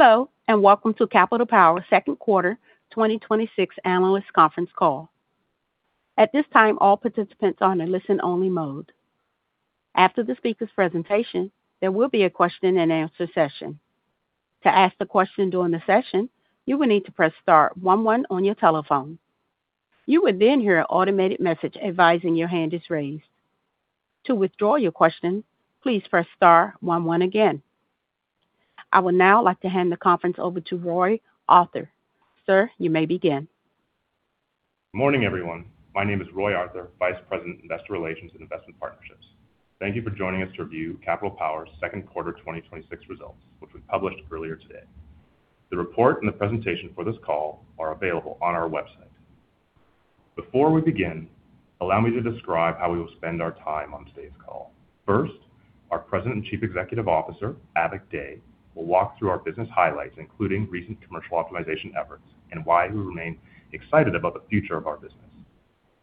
Hello, welcome to Capital Power's second quarter 2026 analyst conference call. At this time, all participants are in a listen-only mode. After the speaker's presentation, there will be a question-and-answer session. To ask the question during the session, you will need to press star one one on your telephone. You will then hear an automated message advising your hand is raised. To withdraw your question, please press star one one again. I would now like to hand the conference over to Roy Arthur. Sir, you may begin. Morning, everyone. My name is Roy Arthur, vice president of investor relations and investment partnerships. Thank you for joining us to review Capital Power's second quarter 2026 results, which we published earlier today. The report and the presentation for this call are available on our website. Before we begin, allow me to describe how we will spend our time on today's call. First, our president and chief executive officer, Avik Dey, will walk through our business highlights, including recent commercial optimization efforts and why we remain excited about the future of our business.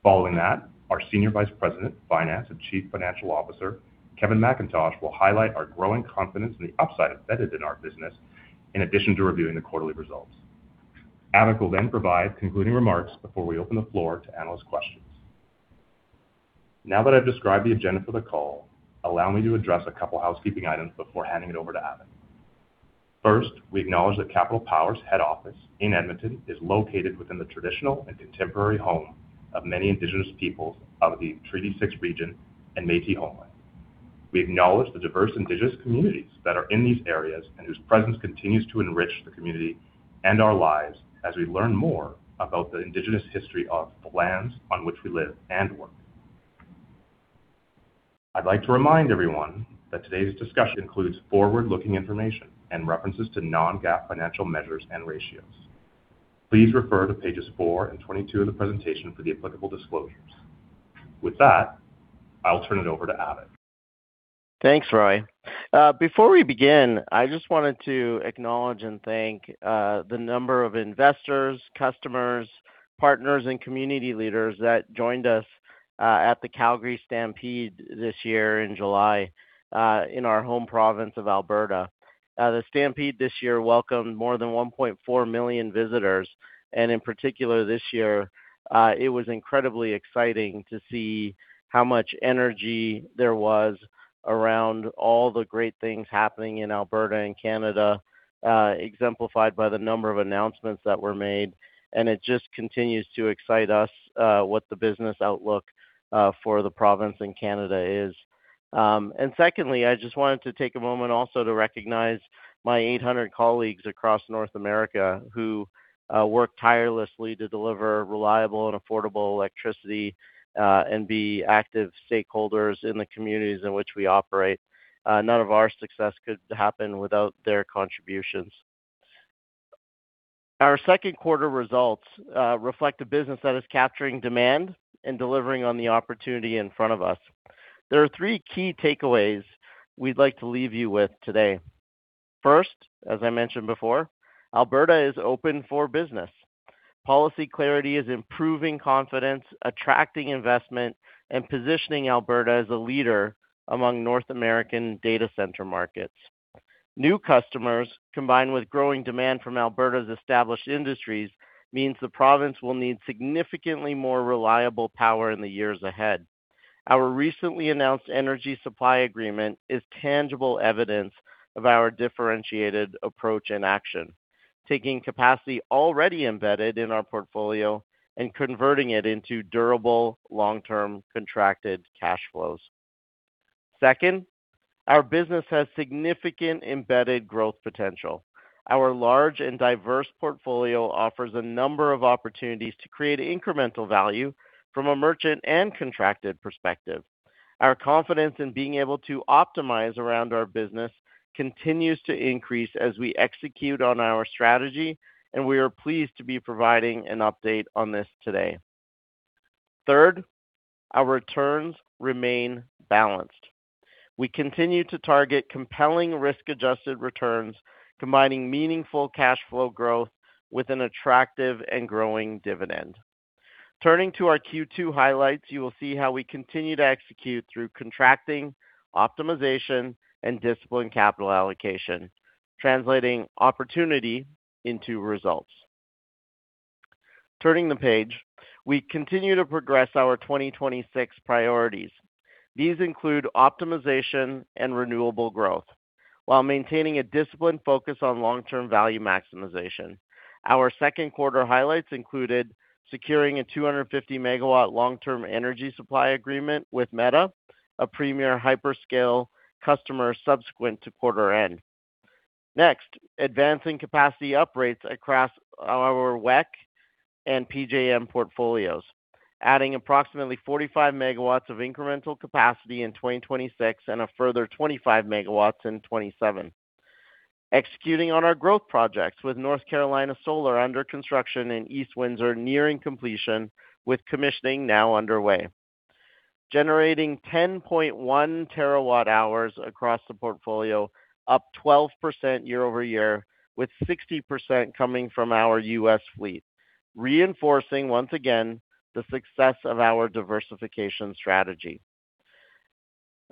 Following that, our senior vice president of finance and chief financial officer, Kevin MacIntosh, will highlight our growing confidence in the upside embedded in our business in addition to reviewing the quarterly results. Avik will provide concluding remarks before we open the floor to analyst questions. Now that I've described the agenda for the call, allow me to address a couple housekeeping items before handing it over to Avik. First, we acknowledge that Capital Power's head office in Edmonton is located within the traditional and contemporary home of many Indigenous peoples of the Treaty 6 region and Métis homeland. We acknowledge the diverse Indigenous communities that are in these areas and whose presence continues to enrich the community and our lives as we learn more about the Indigenous history of the lands on which we live and work. I'd like to remind everyone that today's discussion includes forward-looking information and references to non-GAAP financial measures and ratios. Please refer to pages four and 22 of the presentation for the applicable disclosures. With that, I'll turn it over to Avik. Thanks, Roy. Before we begin, I just wanted to acknowledge and thank the number of investors, customers, partners, and community leaders that joined us at the Calgary Stampede this year in July, in our home province of Alberta. The Stampede this year welcomed more than 1.4 million visitors, in particular, this year, it was incredibly exciting to see how much energy there was around all the great things happening in Alberta and Canada, exemplified by the number of announcements that were made, it just continues to excite us what the business outlook for the province in Canada is. Secondly, I just wanted to take a moment also to recognize my 800 colleagues across North America who work tirelessly to deliver reliable and affordable electricity and be active stakeholders in the communities in which we operate. None of our success could happen without their contributions. Our second quarter results reflect a business that is capturing demand and delivering on the opportunity in front of us. There are three key takeaways we'd like to leave you with today. First, as I mentioned before, Alberta is open for business. Policy clarity is improving confidence, attracting investment, and positioning Alberta as a leader among North American data center markets. New customers, combined with growing demand from Alberta's established industries, means the province will need significantly more reliable power in the years ahead. Our recently announced energy supply agreement is tangible evidence of our differentiated approach in action. Taking capacity already embedded in our portfolio and converting it into durable, long-term contracted cash flows. Second, our business has significant embedded growth potential. Our large and diverse portfolio offers a number of opportunities to create incremental value from a merchant and contracted perspective. Our confidence in being able to optimize around our business continues to increase as we execute on our strategy. We are pleased to be providing an update on this today. Third, our returns remain balanced. We continue to target compelling risk-adjusted returns, combining meaningful cash flow growth with an attractive and growing dividend. Turning to our Q2 highlights, you will see how we continue to execute through contracting, optimization, and disciplined capital allocation, translating opportunity into results. Turning the page, we continue to progress our 2026 priorities. These include optimization and renewable growth while maintaining a disciplined focus on long-term value maximization. Our second quarter highlights included securing a 250-megawatt long-term energy supply agreement with Meta, a premier hyperscale customer subsequent to quarter end. Next, advancing capacity uprates across our WECC and PJM portfolios, adding approximately 45 MW of incremental capacity in 2026 and a further 25 MW in 2027. Executing on our growth projects with North Carolina Solar under construction and East Windsor nearing completion, with commissioning now underway. Generating 10.1 TWh across the portfolio, up 12% year-over-year, with 60% coming from our U.S. fleet, reinforcing, once again, the success of our diversification strategy.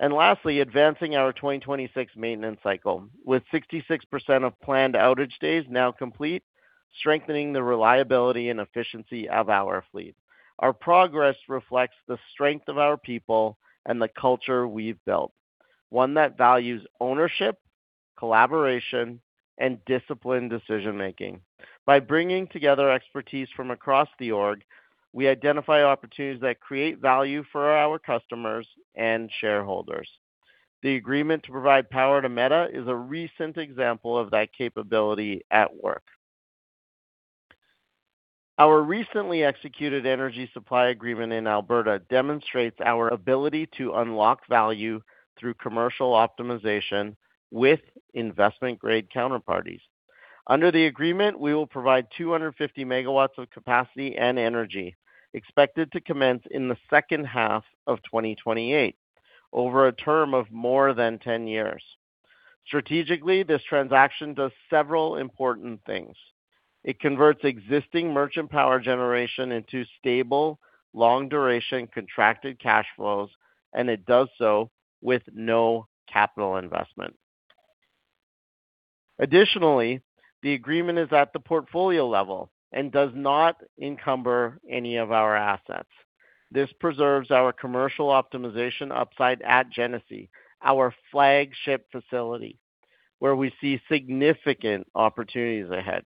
Lastly, advancing our 2026 maintenance cycle with 66% of planned outage days now complete, strengthening the reliability and efficiency of our fleet. Our progress reflects the strength of our people and the culture we've built. One that values ownership, collaboration, and disciplined decision-making. By bringing together expertise from across the org, we identify opportunities that create value for our customers and shareholders. The agreement to provide power to Meta is a recent example of that capability at work. Our recently executed energy supply agreement in Alberta demonstrates our ability to unlock value through commercial optimization with investment-grade counterparties. Under the agreement, we will provide 250 MW of capacity and energy expected to commence in the second half of 2028, over a term of more than 10 years. Strategically, this transaction does several important things. It converts existing merchant power generation into stable, long-duration contracted cash flows. It does so with no capital investment. Additionally, the agreement is at the portfolio level and does not encumber any of our assets. This preserves our commercial optimization upside at Genesee, our flagship facility, where we see significant opportunities ahead.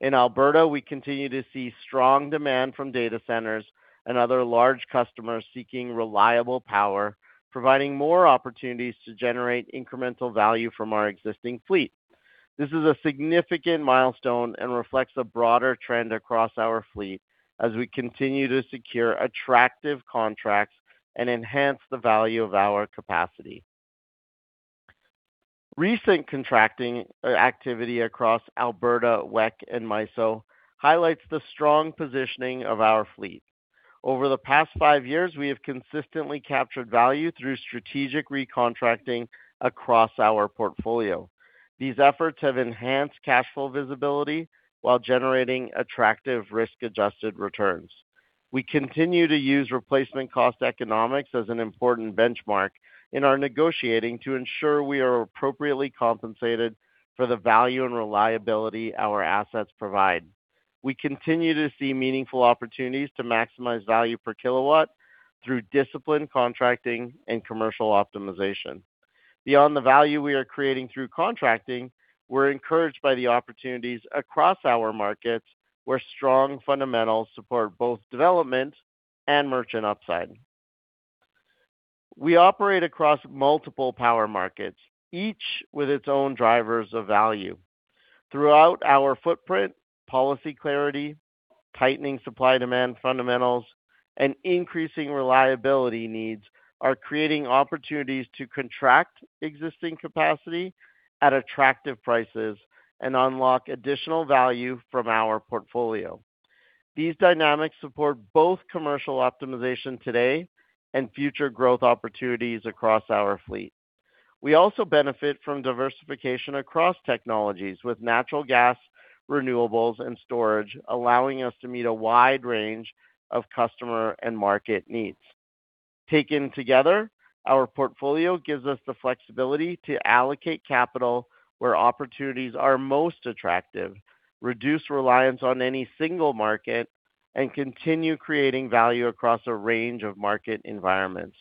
In Alberta, we continue to see strong demand from data centers and other large customers seeking reliable power, providing more opportunities to generate incremental value from our existing fleet. This is a significant milestone and reflects a broader trend across our fleet as we continue to secure attractive contracts and enhance the value of our capacity. Recent contracting activity across Alberta, WECC, and MISO highlights the strong positioning of our fleet. Over the past five years, we have consistently captured value through strategic recontracting across our portfolio. These efforts have enhanced cash flow visibility while generating attractive risk-adjusted returns. We continue to use replacement cost economics as an important benchmark in our negotiating to ensure we are appropriately compensated for the value and reliability our assets provide. We continue to see meaningful opportunities to maximize value per kilowatt through disciplined contracting and commercial optimization. Beyond the value we are creating through contracting, we're encouraged by the opportunities across our markets where strong fundamentals support both development and merchant upside. We operate across multiple power markets, each with its own drivers of value. Throughout our footprint, policy clarity, tightening supply-demand fundamentals, and increasing reliability needs are creating opportunities to contract existing capacity at attractive prices and unlock additional value from our portfolio. These dynamics support both commercial optimization today and future growth opportunities across our fleet. We also benefit from diversification across technologies with natural gas, renewables, and storage, allowing us to meet a wide range of customer and market needs. Taken together, our portfolio gives us the flexibility to allocate capital where opportunities are most attractive, reduce reliance on any single market, and continue creating value across a range of market environments.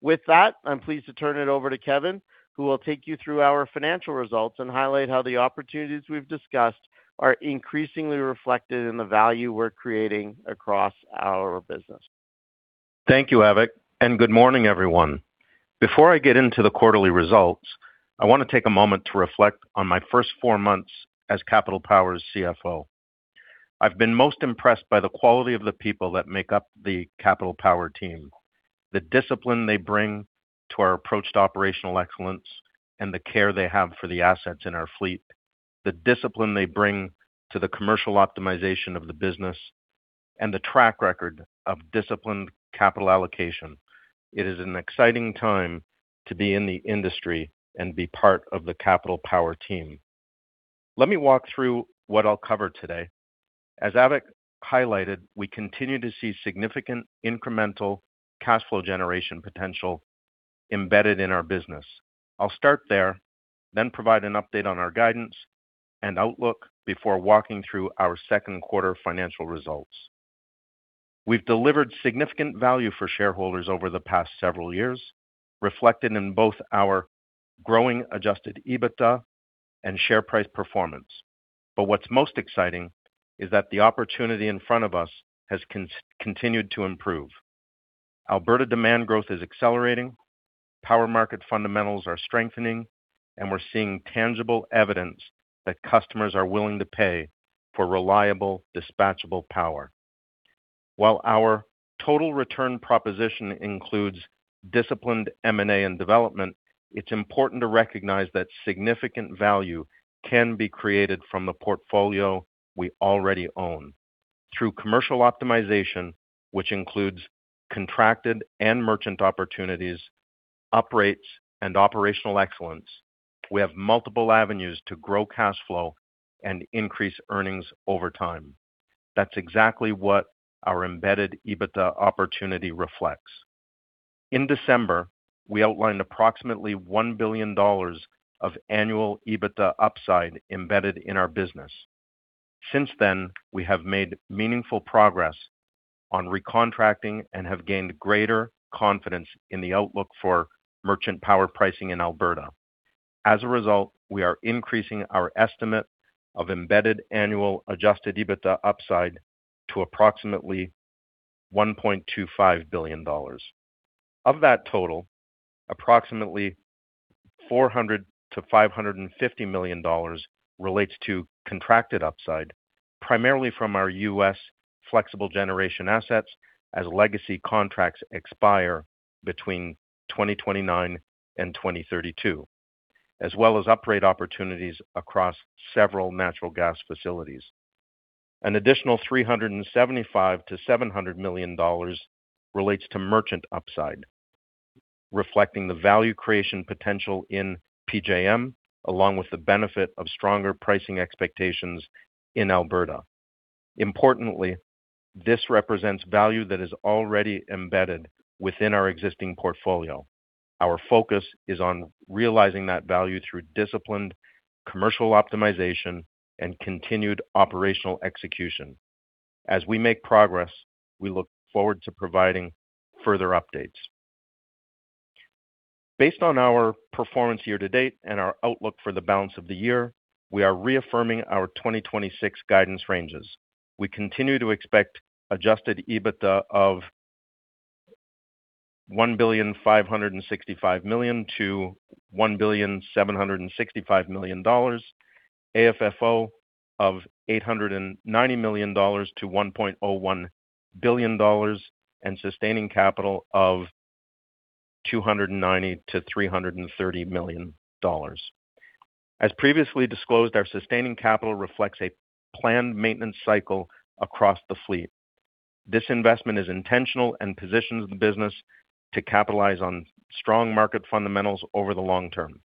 With that, I'm pleased to turn it over to Kevin, who will take you through our financial results and highlight how the opportunities we've discussed are increasingly reflected in the value we're creating across our business. Thank you, Avik. Good morning, everyone. Before I get into the quarterly results, I want to take a moment to reflect on my first four months as Capital Power's CFO. I've been most impressed by the quality of the people that make up the Capital Power team. The discipline they bring to our approach to operational excellence and the care they have for the assets in our fleet. The discipline they bring to the commercial optimization of the business and the track record of disciplined capital allocation. It is an exciting time to be in the industry and be part of the Capital Power team. Let me walk through what I'll cover today. As Avik highlighted, we continue to see significant incremental cash flow generation potential embedded in our business. I'll start there, then provide an update on our guidance and outlook before walking through our second quarter financial results. We've delivered significant value for shareholders over the past several years, reflected in both our growing adjusted EBITDA and share price performance. What's most exciting is that the opportunity in front of us has continued to improve. Alberta demand growth is accelerating, power market fundamentals are strengthening, and we're seeing tangible evidence that customers are willing to pay for reliable, dispatchable power. While our total return proposition includes disciplined M&A and development, it's important to recognize that significant value can be created from the portfolio we already own. Through commercial optimization, which includes contracted and merchant opportunities, uprates, and operational excellence, we have multiple avenues to grow cash flow and increase earnings over time. That's exactly what our embedded EBITDA opportunity reflects. In December, we outlined approximately 1 billion dollars of annual EBITDA upside embedded in our business. Since then, we have made meaningful progress on recontracting and have gained greater confidence in the outlook for merchant power pricing in Alberta. As a result, we are increasing our estimate of embedded annual adjusted EBITDA upside to approximately 1.25 billion dollars. Of that total, approximately 400 million-550 million dollars relates to contracted upside, primarily from our U.S. flexible generation assets as legacy contracts expire between 2029 and 2032, as well as upgrade opportunities across several natural gas facilities. An additional 375 million-700 million dollars relates to merchant upside, reflecting the value creation potential in PJM, along with the benefit of stronger pricing expectations in Alberta. Importantly, this represents value that is already embedded within our existing portfolio. Our focus is on realizing that value through disciplined commercial optimization and continued operational execution. We make progress, we look forward to providing further updates. Based on our performance year-to-date and our outlook for the balance of the year, we are reaffirming our 2026 guidance ranges. We continue to expect adjusted EBITDA of 1,565,000,000-1,765,000,000 dollars, AFFO of 890 million-1.01 billion dollars, and sustaining capital of 290 million-330 million dollars. Previously disclosed, our sustaining capital reflects a planned maintenance cycle across the fleet. This investment is intentional and positions the business to capitalize on strong market fundamentals over the long term.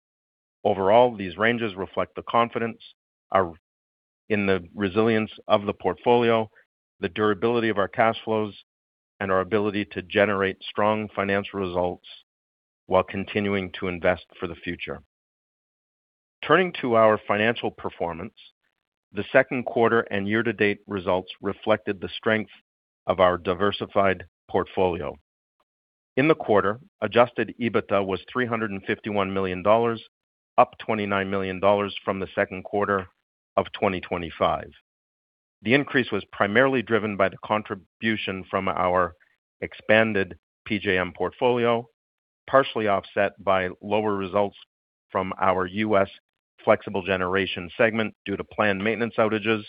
Overall, these ranges reflect the confidence in the resilience of the portfolio, the durability of our cash flows, and our ability to generate strong financial results while continuing to invest for the future. Turning to our financial performance, the second quarter and year-to-date results reflected the strength of our diversified portfolio. In the quarter, adjusted EBITDA was 351 million dollars, up 29 million dollars from the second quarter of 2025. The increase was primarily driven by the contribution from our expanded PJM portfolio, partially offset by lower results from our U.S. flexible generation segment due to planned maintenance outages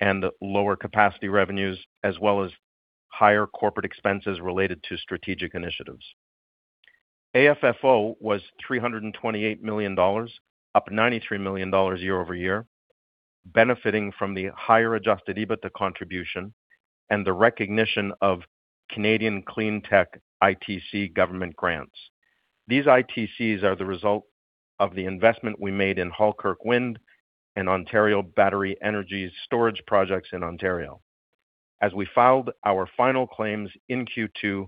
and lower capacity revenues, as well as higher corporate expenses related to strategic initiatives. AFFO was 328 million dollars, up 93 million dollars year-over-year, benefiting from the higher adjusted EBITDA contribution and the recognition of Canadian Clean Tech ITC government grants. These ITCs are the result of the investment we made in Halkirk Wind and Ontario Battery Energy Storage projects in Ontario. We filed our final claims in Q2,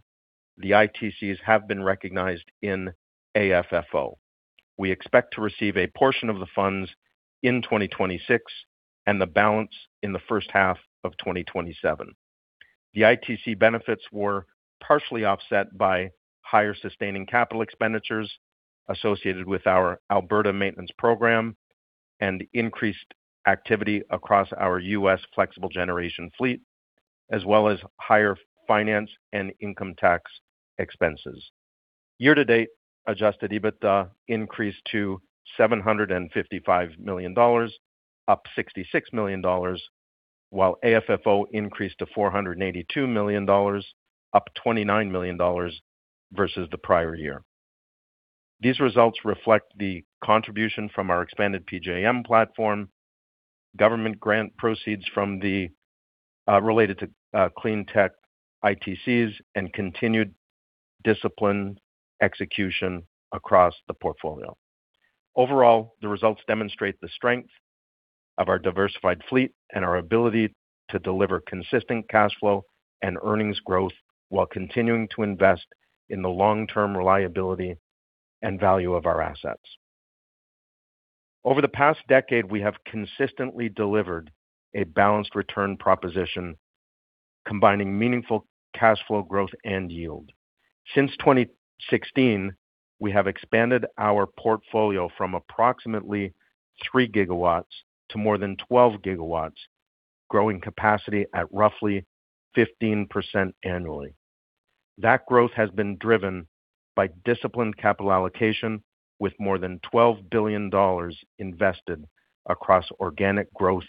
the ITCs have been recognized in AFFO. We expect to receive a portion of the funds in 2026 and the balance in the first half of 2027. The ITC benefits were partially offset by higher sustaining capital expenditures associated with our Alberta maintenance program and increased activity across our U.S. flexible generation fleet, as well as higher finance and income tax expenses. Year-to-date, adjusted EBITDA increased to 755 million dollars, up 66 million dollars, while AFFO increased to 482 million dollars, up 29 million dollars versus the prior year. These results reflect the contribution from our expanded PJM platform, government grant proceeds related to Clean Tech ITCs, and continued disciplined execution across the portfolio. Overall, the results demonstrate the strength of our diversified fleet and our ability to deliver consistent cash flow and earnings growth while continuing to invest in the long-term reliability and value of our assets. Over the past decade, we have consistently delivered a balanced return proposition combining meaningful cash flow growth and yield. Since 2016, we have expanded our portfolio from approximately 3 GW to more than 12 GW, growing capacity at roughly 15% annually. That growth has been driven by disciplined capital allocation with more than 12 billion dollars invested across organic growth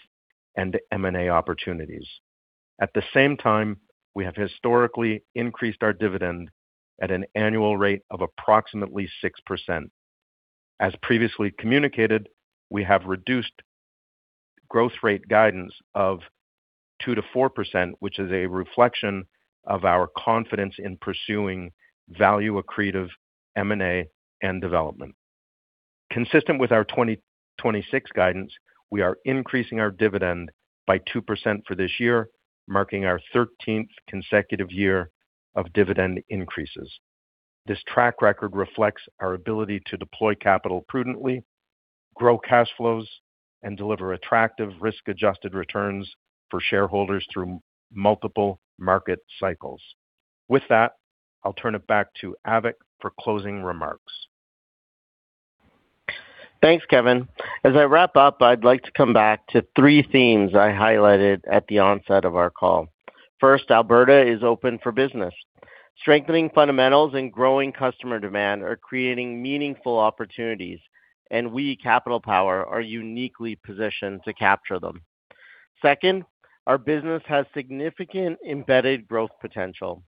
and M&A opportunities. At the same time, we have historically increased our dividend at an annual rate of approximately 6%. As previously communicated, we have reduced growth rate guidance of 2%-4%, which is a reflection of our confidence in pursuing value-accretive M&A and development. Consistent with our 2026 guidance, we are increasing our dividend by 2% for this year, marking our 13th consecutive year of dividend increases. This track record reflects our ability to deploy capital prudently, grow cash flows, and deliver attractive risk-adjusted returns for shareholders through multiple market cycles. With that, I'll turn it back to Avik for closing remarks. Thanks, Kevin. As I wrap up, I'd like to come back to three themes I highlighted at the onset of our call. First, Alberta is open for business. Strengthening fundamentals and growing customer demand are creating meaningful opportunities, and we, Capital Power, are uniquely positioned to capture them. Second, our business has significant embedded growth potential.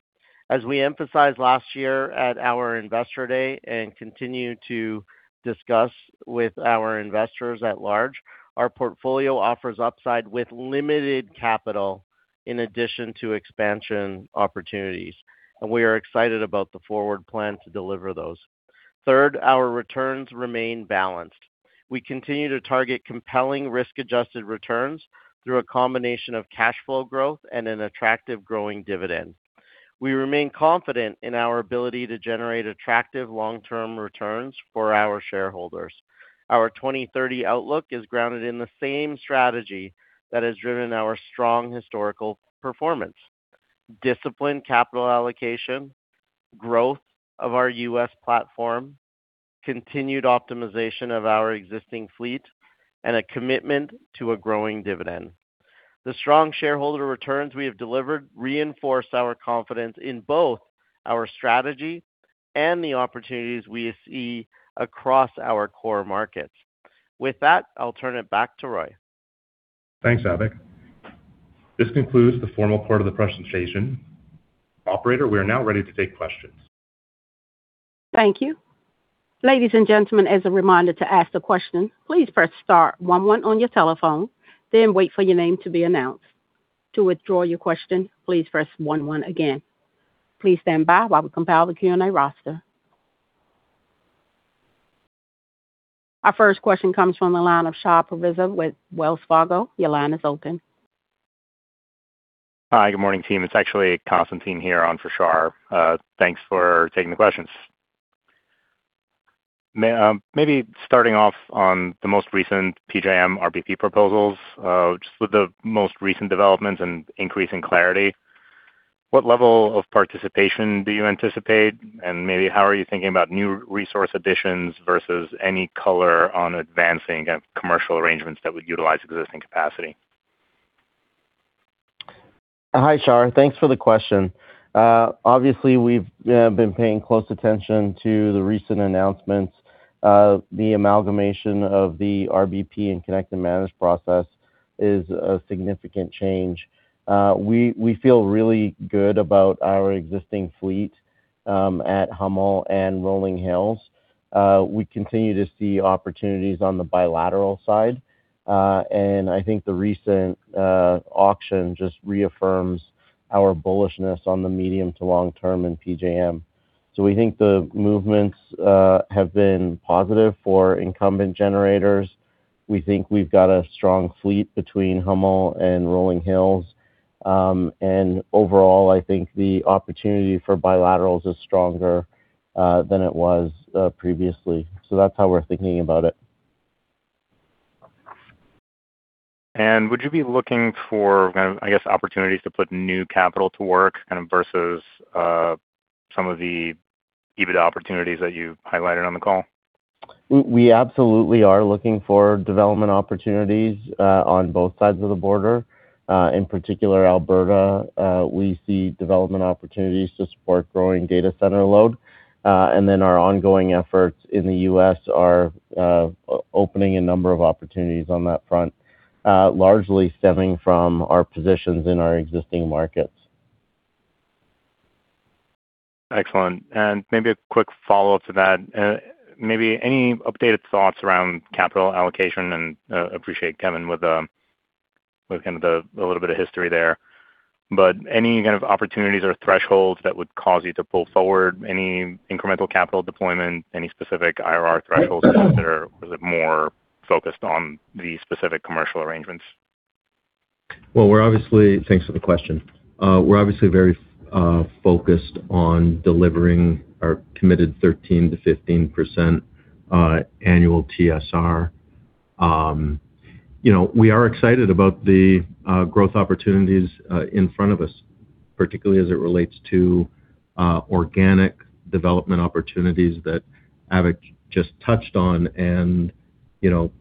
As we emphasized last year at our investor day and continue to discuss with our investors at large, our portfolio offers upside with limited capital in addition to expansion opportunities. We are excited about the forward plan to deliver those. Third, our returns remain balanced. We continue to target compelling risk-adjusted returns through a combination of cash flow growth and an attractive growing dividend. We remain confident in our ability to generate attractive long-term returns for our shareholders. Our 2030 outlook is grounded in the same strategy that has driven our strong historical performance. Disciplined capital allocation, growth of our U.S. platform, continued optimization of our existing fleet, and a commitment to a growing dividend. The strong shareholder returns we have delivered reinforce our confidence in both our strategy and the opportunities we see across our core markets. With that, I'll turn it back to Roy. Thanks, Avik. This concludes the formal part of the presentation. Operator, we are now ready to take questions. Thank you. Ladies and gentlemen, as a reminder to ask a question, please press star one one on your telephone, wait for your name to be announced. To withdraw your question, please press one one again. Please stand by while we compile the Q&A roster. Our first question comes from the line of Shar Pourreza with Wells Fargo. Your line is open. Hi, good morning, team. It's actually Constantine here on for Shar. Thanks for taking the questions. Maybe starting off on the most recent PJM RBP proposals, just with the most recent developments and increase in clarity. What level of participation do you anticipate? Maybe how are you thinking about new resource additions versus any color on advancing commercial arrangements that would utilize existing capacity? Hi, Shar. Thanks for the question. Obviously, we've been paying close attention to the recent announcements. The amalgamation of the RBP and connect-and-manage process is a significant change. We feel really good about our existing fleet, at Hummel and Rolling Hills. We continue to see opportunities on the bilateral side. I think the recent auction just reaffirms our bullishness on the medium to long-term in PJM. We think the movements have been positive for incumbent generators. We think we've got a strong fleet between Hummel and Rolling Hills. Overall, I think the opportunity for bilaterals is stronger than it was previously. That's how we're thinking about it. Would you be looking for, I guess, opportunities to put new capital to work kind of versus some of the EBITDA opportunities that you highlighted on the call? We absolutely are looking for development opportunities on both sides of the border. In particular, Alberta, we see development opportunities to support growing data center load. Then our ongoing efforts in the U.S. are opening a number of opportunities on that front. Largely stemming from our positions in our existing markets. Excellent. Maybe a quick follow-up to that. Maybe any updated thoughts around capital allocation and, appreciate Kevin with kind of the little bit of history there. Any kind of opportunities or thresholds that would cause you to pull forward any incremental capital deployment, any specific IRR thresholds to consider? Is it more focused on the specific commercial arrangements? Well, thanks for the question. We're obviously very focused on delivering our committed 13%-15% annual TSR. We are excited about the growth opportunities in front of us, particularly as it relates to organic development opportunities that Avik just touched on.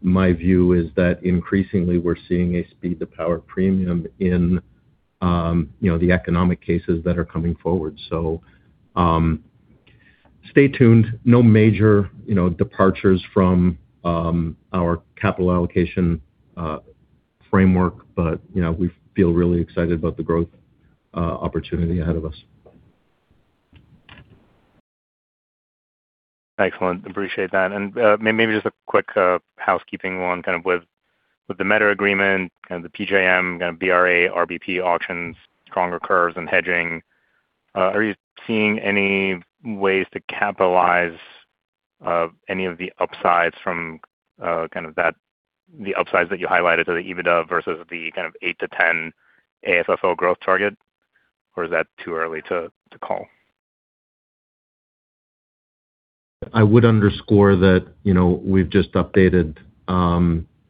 My view is that increasingly we're seeing a speed to power premium in the economic cases that are coming forward. Stay tuned. No major departures from our capital allocation framework, but we feel really excited about the growth opportunity ahead of us. Excellent. Appreciate that. Maybe just a quick housekeeping one, kind of with the Meta agreement, kind of the PJM kind of BRA RBP auctions, stronger curves, and hedging. Are you seeing any ways to capitalize any of the upsides that you highlighted to the EBITDA versus the 8-10 AFFO growth target, or is that too early to call? I would underscore that we've just updated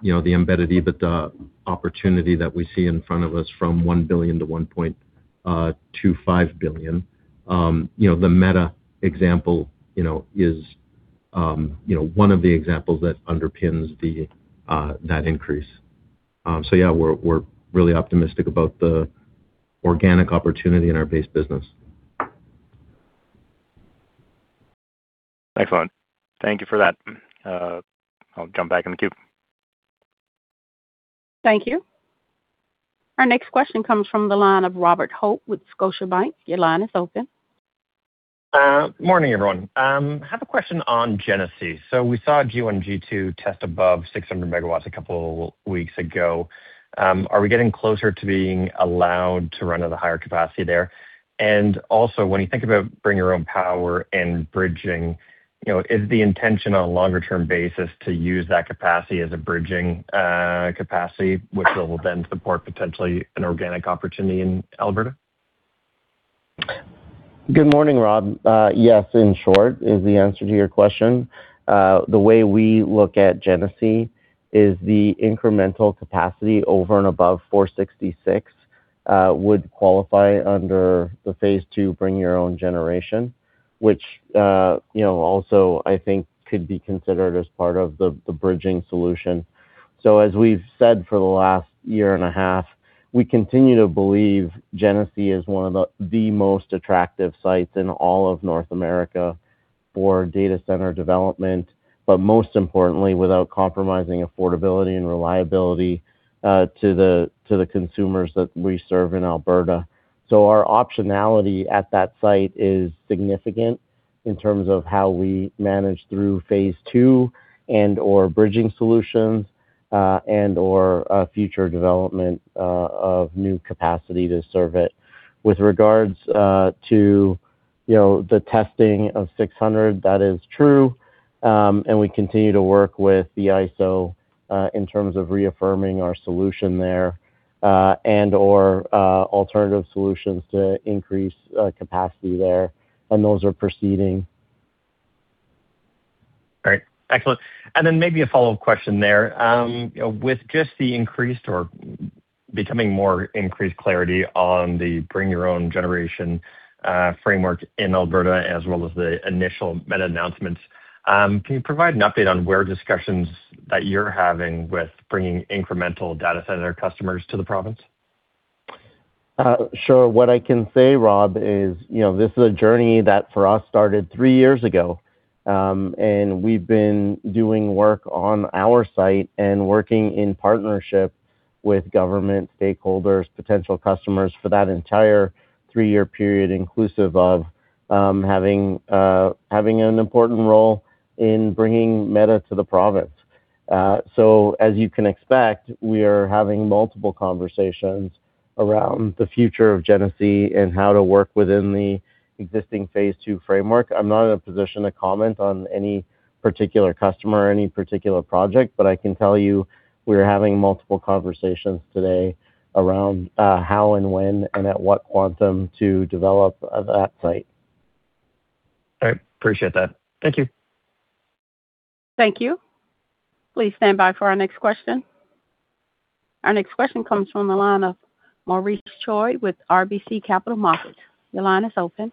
the embedded EBITDA opportunity that we see in front of us from 1 billion-1.25 billion. The Meta example is one of the examples that underpins that increase. Yeah, we're really optimistic about the organic opportunity in our base business. Excellent. Thank you for that. I'll jump back in the queue. Thank you. Our next question comes from the line of Robert Hope with Scotiabank. Your line is open. Morning, everyone. I have a question on Genesee. We saw G1, G2 test above 600 MW a couple of weeks ago. Are we getting closer to being allowed to run at a higher capacity there? Also, when you think about Bring Your Own Generation and bridging, is the intention on a longer-term basis to use that capacity as a bridging capacity, which will then support potentially an organic opportunity in Alberta? Good morning, Rob. Yes, in short is the answer to your question. The way we look at Genesee is the incremental capacity over and above 466 would qualify under the phase II Bring Your Own Generation, which also I think could be considered as part of the bridging solution. As we've said for the last year and a half, we continue to believe Genesee is one of the most attractive sites in all of North America for data center development, but most importantly, without compromising affordability and reliability to the consumers that we serve in Alberta. Our optionality at that site is significant in terms of how we manage through phase II and/or bridging solutions, and/or future development of new capacity to serve it. With regards to the testing of 600, that is true, and we continue to work with the ISO, in terms of reaffirming our solution there, and/or alternative solutions to increase capacity there. Those are proceeding. Great. Excellent. Then maybe a follow-up question there. With just the increased or becoming more increased clarity on the Bring Your Own Generation framework in Alberta as well as the initial Meta announcements, can you provide an update on where discussions that you're having with bringing incremental data center customers to the province? Sure. What I can say, Rob, is this is a journey that for us started three years ago. We've been doing work on our site and working in partnership with government stakeholders, potential customers for that entire three-year period, inclusive of having an important role in bringing Meta to the province. As you can expect, we are having multiple conversations around the future of Genesee and how to work within the existing phase II framework. I'm not in a position to comment on any particular customer or any particular project, I can tell you we are having multiple conversations today around how and when and at what quantum to develop that site. All right. Appreciate that. Thank you. Thank you. Please stand by for our next question. Our next question comes from the line of Maurice Choy with RBC Capital Markets. Your line is open.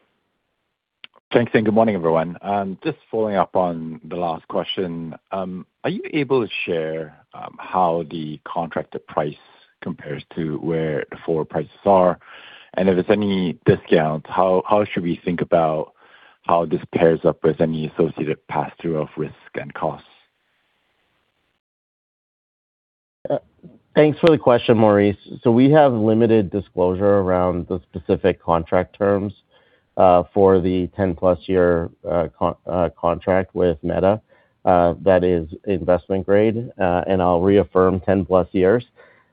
Thanks, good morning, everyone. Just following up on the last question. Are you able to share how the contracted price compares to where the forward prices are? If it's any discount, how should we think about how this pairs up with any associated pass-through of risk and costs? Thanks for the question, Maurice. We have limited disclosure around the specific contract terms for the 10+ year contract with Meta. That is investment grade. I'll reaffirm 10+ years.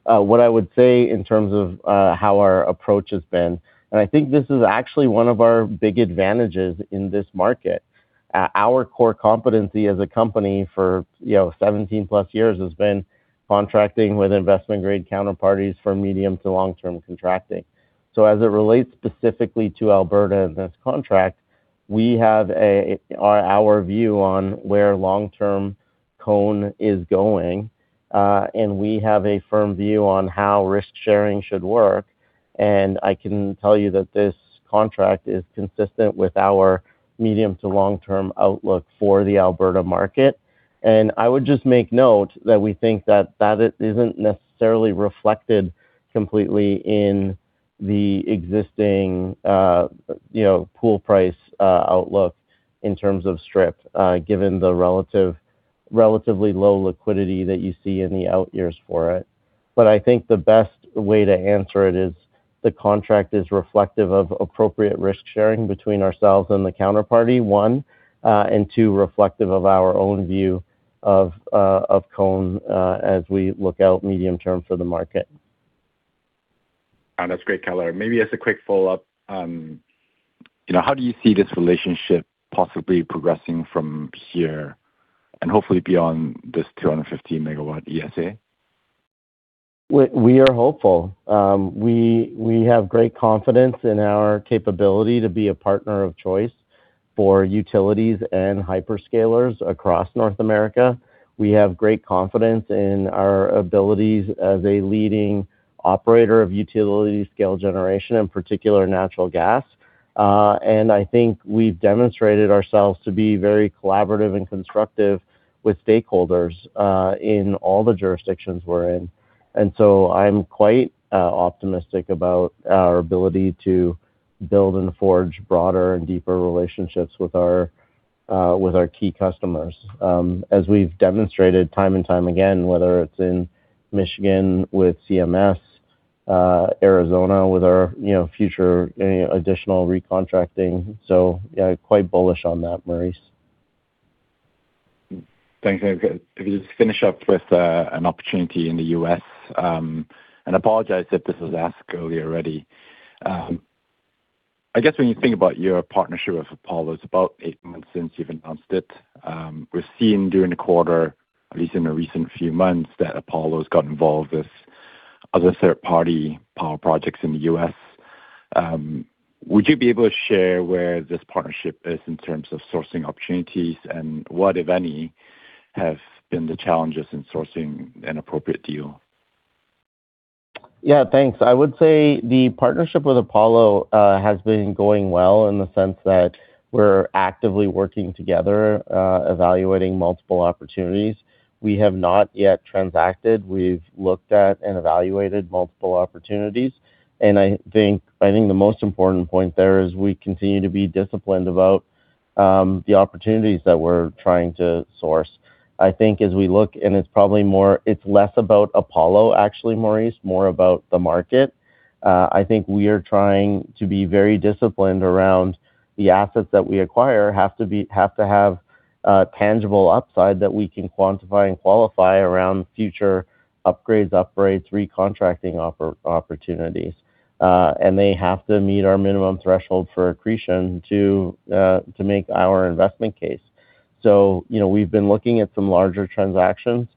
What I would say in terms of how our approach has been, and I think this is actually one of our big advantages in this market. Our core competency as a company for 17+ years has been contracting with investment-grade counterparties for medium to long-term contracting. As it relates specifically to Alberta and this contract, we have our view on where long-term CONE is going. We have a firm view on how risk-sharing should work. I can tell you that this contract is consistent with our medium to long-term outlook for the Alberta market. I would just make note that we think that that isn't necessarily reflected completely in the existing pool price outlook in terms of strip, given the relatively low liquidity that you see in the out years for it. I think the best way to answer it is the contract is reflective of appropriate risk-sharing between ourselves and the counterparty, one. Two, reflective of our own view of CONE as we look out medium term for the market. That's great, color. Maybe as a quick follow-up, how do you see this relationship possibly progressing from here and hopefully beyond this 250 MW ESA? We are hopeful. We have great confidence in our capability to be a partner of choice for utilities and hyperscalers across North America. We have great confidence in our abilities as a leading operator of utility scale generation, in particular, natural gas. I think we've demonstrated ourselves to be very collaborative and constructive with stakeholders, in all the jurisdictions we're in. I'm quite optimistic about our ability to build and forge broader and deeper relationships with our key customers. As we've demonstrated time and time again, whether it's in Michigan with CMS, Arizona with our future any additional recontracting. Yeah, quite bullish on that, Maurice. Thanks. If I could just finish up with an opportunity in the U.S., apologize if this was asked earlier already. I guess when you think about your partnership with Apollo, it's about eight months since you've announced it. We're seeing during the quarter, at least in the recent few months, that Apollo's got involved with other third-party power projects in the U.S. Would you be able to share where this partnership is in terms of sourcing opportunities and what, if any, have been the challenges in sourcing an appropriate deal? Yeah, thanks. I would say the partnership with Apollo has been going well in the sense that we're actively working together, evaluating multiple opportunities. We have not yet transacted. We've looked at and evaluated multiple opportunities. I think the most important point there is we continue to be disciplined about the opportunities that we're trying to source. I think as we look and it's less about Apollo actually, Maurice, more about the market. I think we are trying to be very disciplined around the assets that we acquire have to have tangible upside that we can quantify and qualify around future upgrades, recontracting opportunities. They have to meet our minimum threshold for accretion to make our investment case. We've been looking at some larger transactions.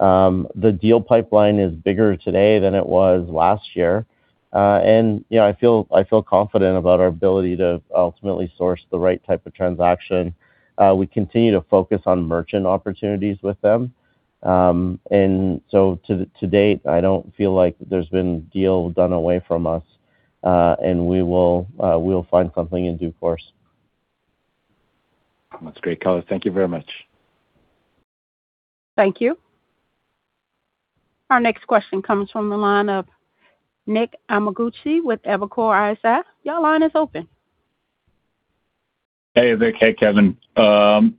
The deal pipeline is bigger today than it was last year. I feel confident about our ability to ultimately source the right type of transaction. We continue to focus on merchant opportunities with them. To date, I don't feel like there's been a deal done away from us. We'll find something in due course. That's great, color. Thank you very much. Thank you. Our next question comes from the line of Nick Amicucci with Evercore ISI. Your line is open. Hey, Vic. Hey, Kevin. I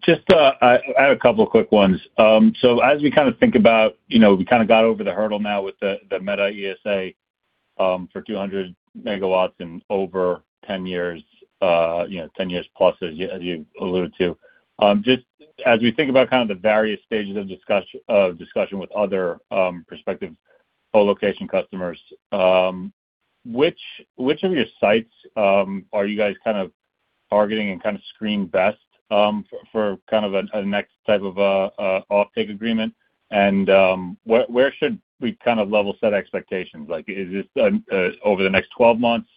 had a couple of quick ones. As we think about, we got over the hurdle now with the Meta ESA, for 200 MW and over 10 years plus as you alluded to. Just as we think about kind of the various stages of discussion with other prospective co-location customers, which of your sites are you guys targeting and screen best for a next type of off-take agreement and where should we level set expectations? Like is this over the next 12 months?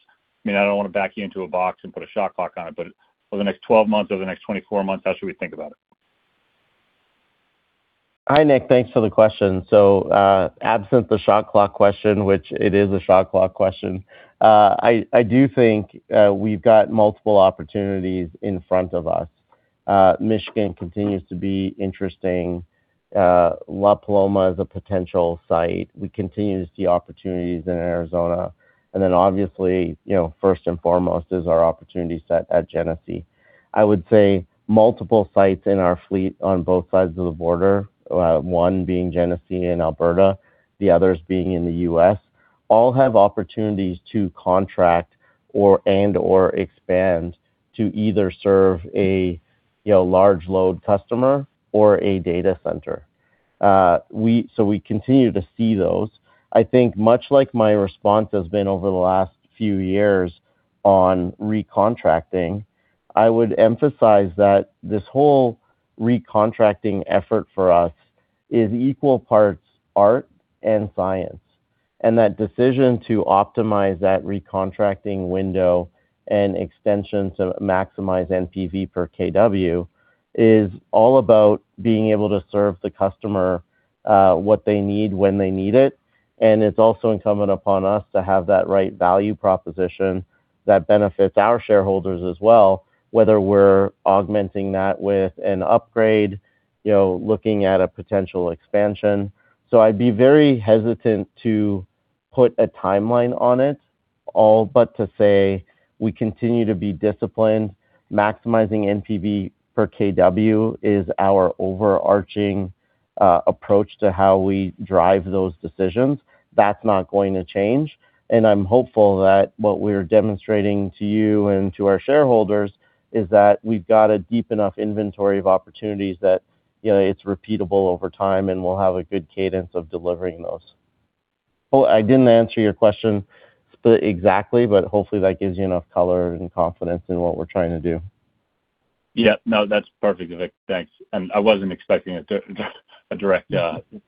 I don't want to back you into a box and put a shot clock on it, but over the next 12 months or the next 24 months, how should we think about it? Hi, Nick. Thanks for the question. Absent the shot clock question, which it is a shot clock question, I do think we've got multiple opportunities in front of us. Michigan continues to be interesting. La Paloma is a potential site. We continue to see opportunities in Arizona, and then obviously, first and foremost is our opportunity set at Genesee. I would say multiple sites in our fleet on both sides of the border. One being Genesee and Alberta, the others being in the U.S. all have opportunities to contract or, and or expand to either serve a large load customer or a data center. We continue to see those. I think much like my response has been over the last few years on recontracting, I would emphasize that this whole recontracting effort for us is equal parts art and science, that decision to optimize that recontracting window and extension to maximize NPV per kW is all about being able to serve the customer, what they need when they need it. It's also incumbent upon us to have that right value proposition that benefits our shareholders as well, whether we're augmenting that with an upgrade, looking at a potential expansion. I'd be very hesitant to put a timeline on it all, but to say we continue to be disciplined. Maximizing NPV per kW is our overarching approach to how we drive those decisions. That's not going to change. I'm hopeful that what we're demonstrating to you and to our shareholders is that we've got a deep enough inventory of opportunities that it's repeatable over time, and we'll have a good cadence of delivering those. I didn't answer your question split exactly, hopefully that gives you enough color and confidence in what we're trying to do. Yeah. No, that's perfect, Avik. Thanks. I wasn't expecting a direct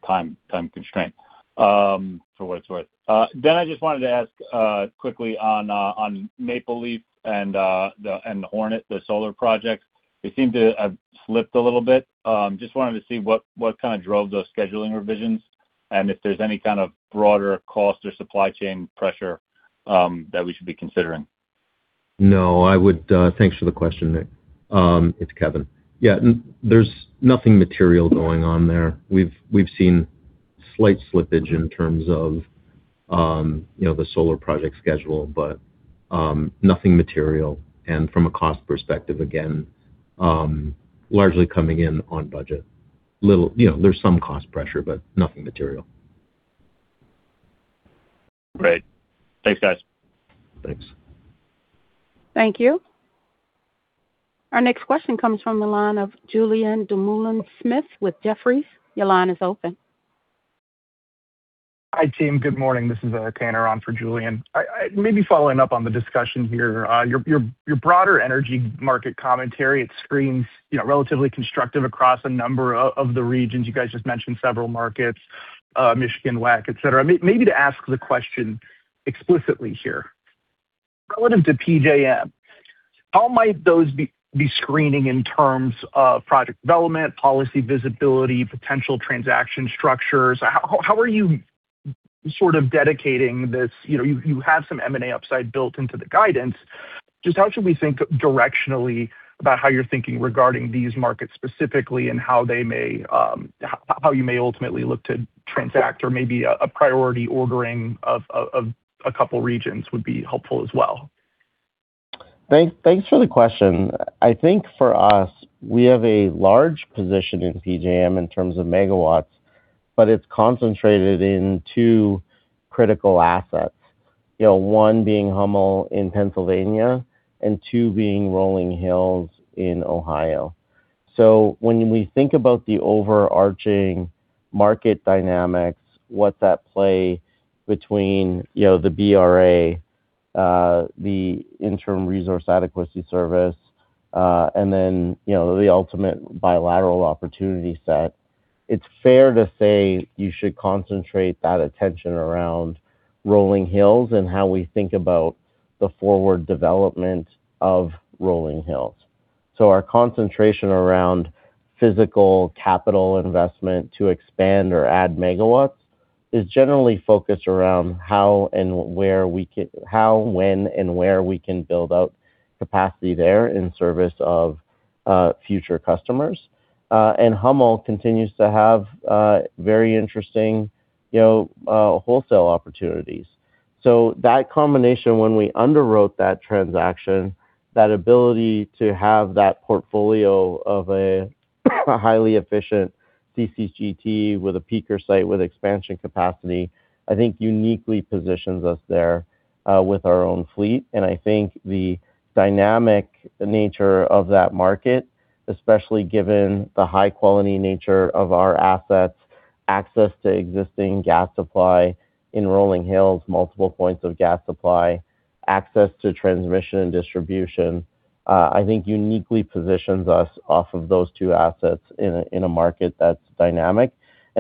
time constraint, for what it's worth. I just wanted to ask quickly on Maple Leaf and the Hornet, the solar projects. They seem to have slipped a little bit. Just wanted to see what drove those scheduling revisions and if there's any kind of broader cost or supply chain pressure that we should be considering. No. Thanks for the question, Nick. It's Kevin. Yeah. There's nothing material going on there. We've seen slight slippage in terms of the solar project schedule, but nothing material. From a cost perspective, again, largely coming in on budget. There's some cost pressure, but nothing material. Great. Thanks, guys. Thanks. Thank you. Our next question comes from the line of Julien Dumoulin-Smith with Jefferies. Your line is open. Hi, team. Good morning. This is Tanner on for Julien. Following up on the discussion here. Your broader energy market commentary, it screens relatively constructive across a number of the regions. You guys just mentioned several markets, Michigan, WECC, et cetera. To ask the question explicitly here. Relative to PJM, how might those be screening in terms of project development, policy visibility, potential transaction structures? You have some M&A upside built into the guidance. How should we think directionally about how you're thinking regarding these markets specifically and how you may ultimately look to transact or maybe a priority ordering of a couple of regions would be helpful as well. Thanks for the question. I think for us, we have a large position in PJM in terms of megawatts, but it's concentrated in two critical assets. One being Hummel in Pennsylvania, and two being Rolling Hills in Ohio. When we think about the overarching market dynamics, what that play between the BRA, the interim resource adequacy service, and then the ultimate bilateral opportunity set, it's fair to say you should concentrate that attention around Rolling Hills and how we think about the forward development of Rolling Hills. Our concentration around physical capital investment to expand or add megawatts is generally focused around how when, and where we can build out capacity there in service of future customers. Hummel continues to have very interesting wholesale opportunities. That combination, when we underwrote that transaction, that ability to have that portfolio of a highly efficient CCGT with a peaker site with expansion capacity, I think uniquely positions us there with our own fleet. I think the dynamic nature of that market, especially given the high-quality nature of our assets, access to existing gas supply in Rolling Hills, multiple points of gas supply, access to transmission and distribution, I think uniquely positions us off of those two assets in a market that's dynamic.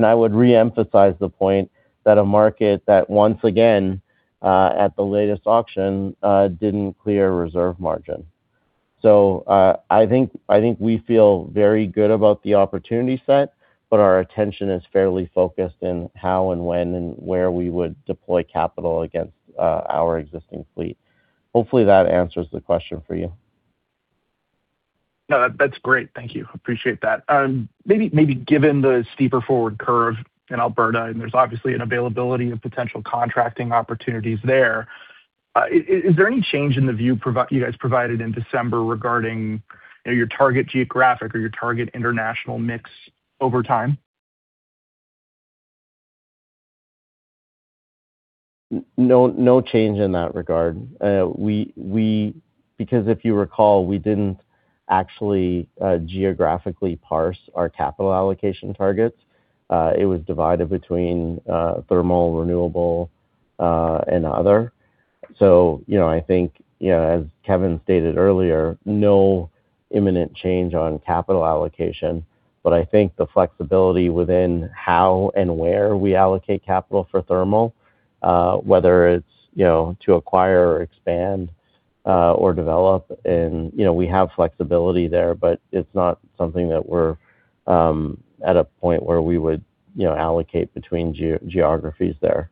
I would re-emphasize the point that a market that, once again, at the latest auction, didn't clear reserve margin. I think we feel very good about the opportunity set, but our attention is fairly focused in how and when, and where we would deploy capital against our existing fleet. Hopefully, that answers the question for you. No, that's great. Thank you. Appreciate that. Maybe given the steeper forward curve in Alberta, there's obviously an availability of potential contracting opportunities there, is there any change in the view you guys provided in December regarding your target geographic or your target international mix over time? No change in that regard. If you recall, we didn't actually geographically parse our capital allocation targets. It was divided between thermal, renewable, and other. I think as Kevin stated earlier, no imminent change on capital allocation, but I think the flexibility within how and where we allocate capital for thermal, whether it's to acquire or expand, or develop, we have flexibility there, but it's not something that we're at a point where we would allocate between geographies there.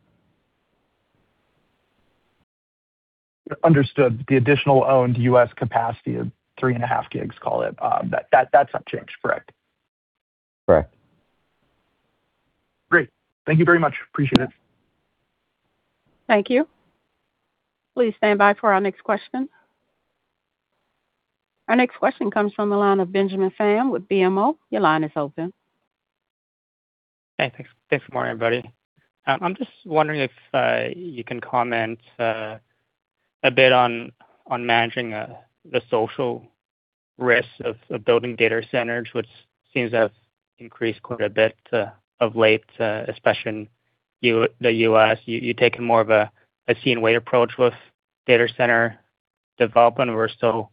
Understood. The additional owned U.S. capacity of three and a half gigs, call it, that's unchanged, correct? Correct. Great. Thank you very much. Appreciate it. Thank you. Please stand by for our next question. Our next question comes from the line of Benjamin Pham with BMO. Your line is open. Hey, thanks. Good morning, everybody. I'm just wondering if you can comment a bit on managing the social risks of building data centers, which seems to have increased quite a bit of late, especially in the U.S. You're taking more of a scene way approach with data center development or still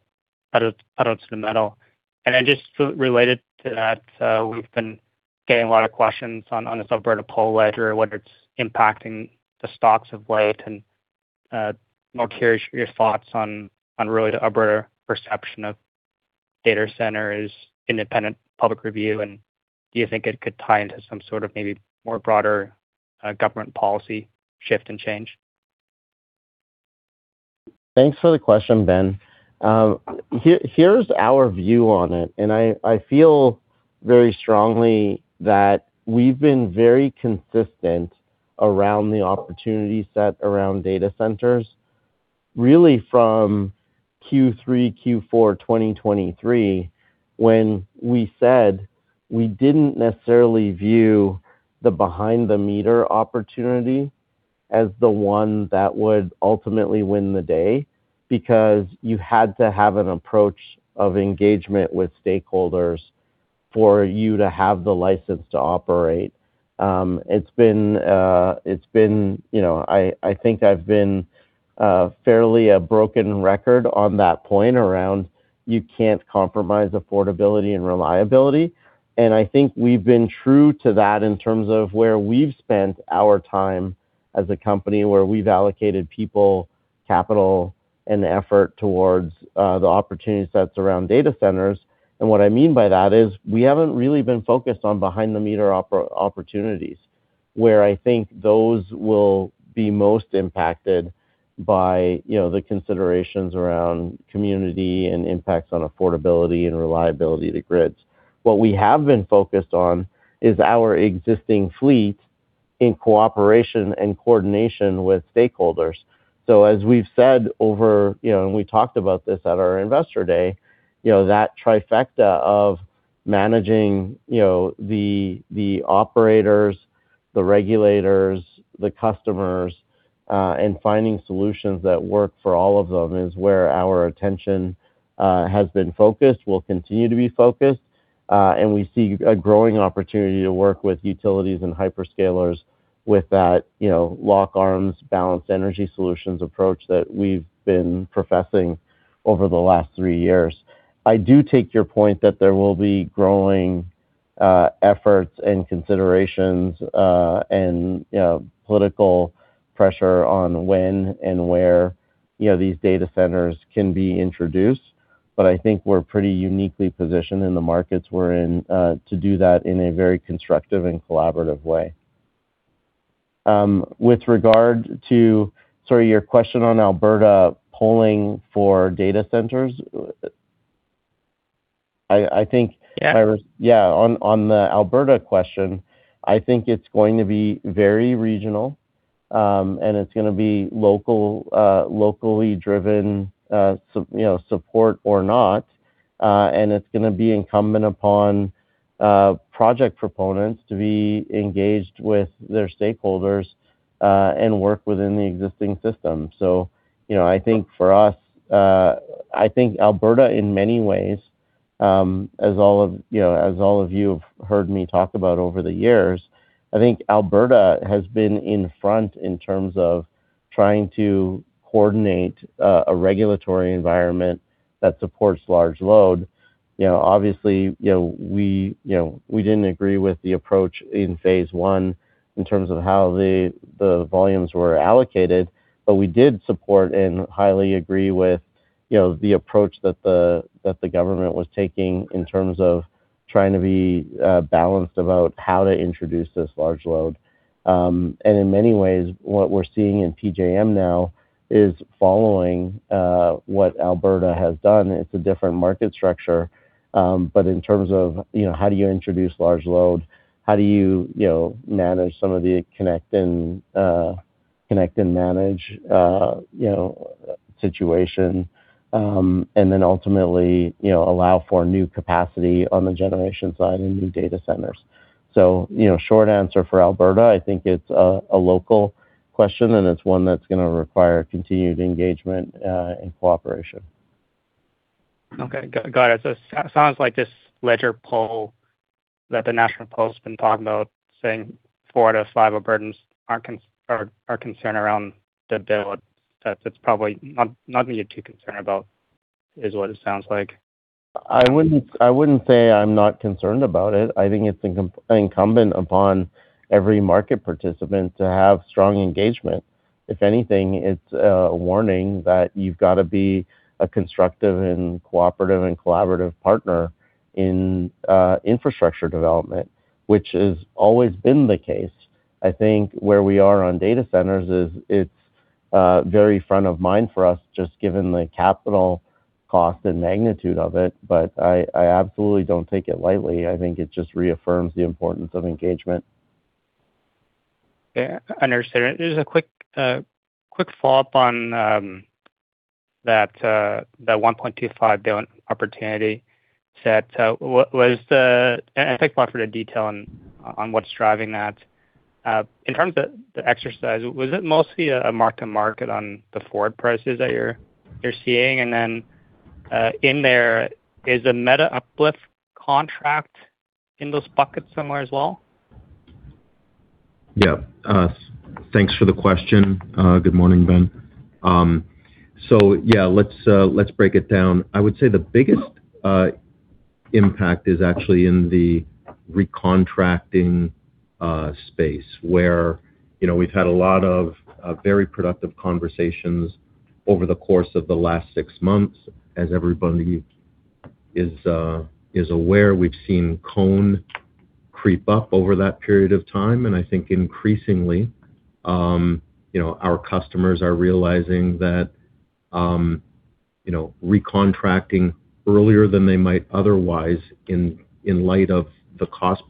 pedal to the metal? Then just related to that, we've been getting a lot of questions on this Alberta poll Leger, whether it's impacting the stocks of late, and more curious your thoughts on really the Alberta perception of data centers, independent public review, and do you think it could tie into some sort of maybe more broader government policy shift and change? Thanks for the question, Ben. Here's our view on it. I feel very strongly that we've been very consistent around the opportunity set around data centers. Really from Q3, Q4 2023, when we said we didn't necessarily view the behind the meter opportunity as the one that would ultimately win the day because you had to have an approach of engagement with stakeholders for you to have the license to operate. I think I've been fairly a broken record on that point around you can't compromise affordability and reliability. I think we've been true to that in terms of where we've spent our time as a company, where we've allocated people, capital, and effort towards the opportunity sets around data centers. What I mean by that is we haven't really been focused on behind the meter opportunities, where I think those will be most impacted by the considerations around community and impacts on affordability and reliability to grids. What we have been focused on is our existing fleet in cooperation and coordination with stakeholders. As we've said, and we talked about this at our investor day, that trifecta of managing the operators, the regulators, the customers, and finding solutions that work for all of them is where our attention has been focused, will continue to be focused. We see a growing opportunity to work with utilities and hyperscalers with that lock arms, balanced energy solutions approach that we've been professing over the last three years. I do take your point that there will be growing efforts and considerations, and political pressure on when and where these data centers can be introduced. I think we're pretty uniquely positioned in the markets we're in to do that in a very constructive and collaborative way. With regard to your question on Alberta polling for data centers. On the Alberta question, I think it's going to be very regional, and it's going to be locally driven support or not. It's going to be incumbent upon project proponents to be engaged with their stakeholders, and work within the existing system. I think Alberta in many ways, as all of you have heard me talk about over the years, I think Alberta has been in front in terms of trying to coordinate a regulatory environment that supports large load. Obviously, we didn't agree with the approach in phase I in terms of how the volumes were allocated, but we did support and highly agree with the approach that the government was taking in terms of trying to be balanced about how to introduce this large load. In many ways, what we're seeing in PJM now is following what Alberta has done. It's a different market structure. In terms of how do you introduce large load? How do you manage some of the connect-and-manage situation? Then ultimately allow for new capacity on the generation side and new data centers. Short answer for Alberta, I think it's a local question, and it's one that's going to require continued engagement and cooperation. Okay. Got it. It sounds like this Leger poll that the National Post been talking about, saying four out of five Albertans are concerned around the bill. That it's probably not going to get too concerned about is what it sounds like. I wouldn't say I'm not concerned about it. I think it's incumbent upon every market participant to have strong engagement. If anything, it's a warning that you've got to be a constructive and cooperative and collaborative partner in infrastructure development, which has always been the case. I think where we are on data centers is it's very front of mind for us, just given the capital cost and magnitude of it. I absolutely don't take it lightly. I think it just reaffirms the importance of engagement. Yeah, I understand. Just a quick follow-up on that 1.25 billion opportunity set. I think we offered a detail on what's driving that. In terms of the exercise, was it mostly a mark-to-market on the forward prices that you're seeing? In there, is a Meta uplift contract in those buckets somewhere as well? Yeah. Thanks for the question. Good morning, Ben. Yeah, let's break it down. I would say the biggest impact is actually in the recontracting space, where we've had a lot of very productive conversations over the course of the last six months. As everybody is aware, we've seen CONE creep up over that period of time. I think increasingly our customers are realizing that recontracting earlier than they might otherwise in light of the cost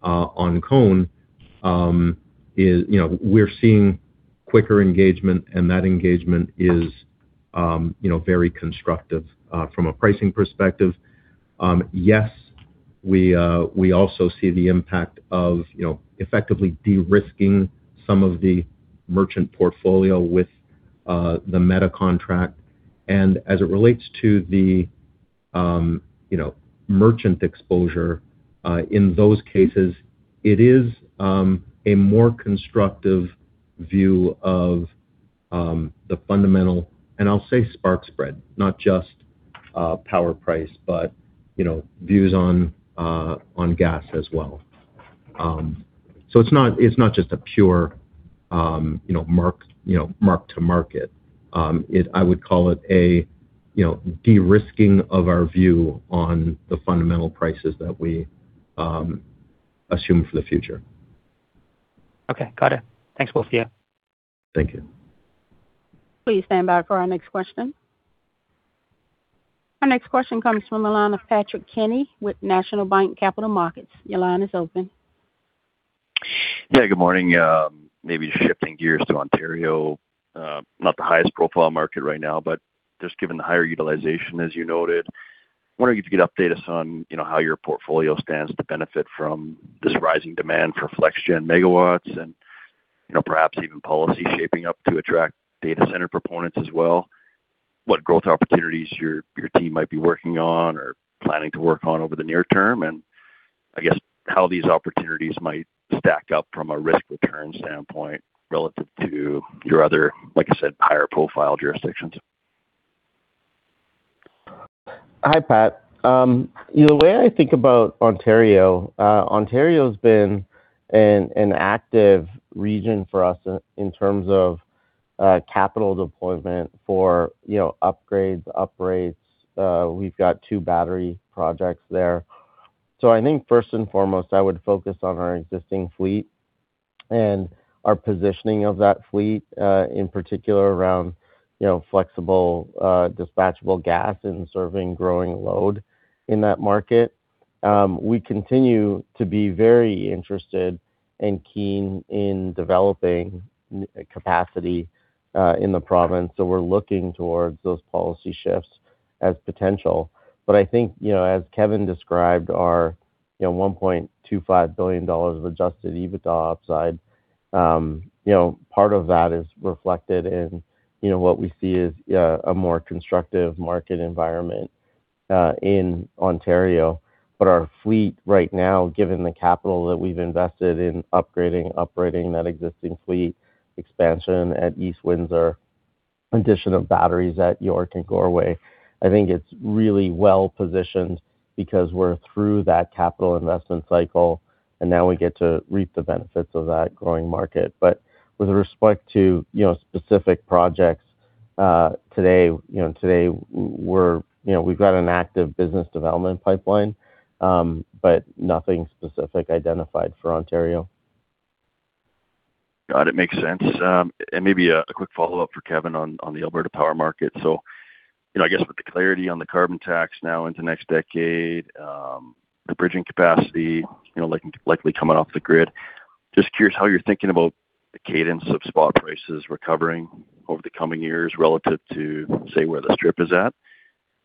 pressure on CONE. We're seeing quicker engagement, and that engagement is very constructive from a pricing perspective. Yes, we also see the impact of effectively de-risking some of the merchant portfolio with the Meta contract. As it relates to the merchant exposure, in those cases, it is a more constructive view of the fundamental, and I'll say spark spread, not just power price, but views on gas as well. It's not just a pure mark-to-market. I would call it a de-risking of our view on the fundamental prices that we assume for the future. Okay, got it. Thanks, both of you. Thank you. Please stand by for our next question. Our next question comes from the line of Patrick Kenny with National Bank Capital Markets. Your line is open. Yeah, good morning. Maybe shifting gears to Ontario. Not the highest profile market right now, but just given the higher utilization, as you noted, wondering if you could update us on how your portfolio stands to benefit from this rising demand for flex gen megawatts and perhaps even policy shaping up to attract data center proponents as well. What growth opportunities your team might be working on or planning to work on over the near term, and I guess how these opportunities might stack up from a risk-return standpoint relative to your other, like I said, higher profile jurisdictions. Hi, Patrick. The way I think about Ontario. Ontario's been an active region for us in terms of capital deployment for upgrades, uprates. We've got two battery projects there. I think first and foremost, I would focus on our existing fleet and our positioning of that fleet, in particular around flexible, dispatchable gas and serving growing load in that market. We continue to be very interested and keen in developing capacity in the province. We're looking towards those policy shifts as potential. I think, as Kevin described, our 1.25 billion dollars of adjusted EBITDA upside, part of that is reflected in what we see as a more constructive market environment in Ontario. Our fleet right now, given the capital that we've invested in upgrading, uprating that existing fleet expansion at East Windsor, addition of batteries at York and Goreway. I think it's really well-positioned because we're through that capital investment cycle, and now we get to reap the benefits of that growing market. With respect to specific projects, today, we've got an active business development pipeline, nothing specific identified for Ontario. Got it. Makes sense. Maybe a quick follow-up for Kevin on the Alberta power market. I guess with the clarity on the carbon tax now into next decade, the bridging capacity likely coming off the grid, just curious how you're thinking about the cadence of spot prices recovering over the coming years relative to, say, where the strip is at,